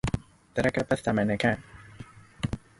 一路好走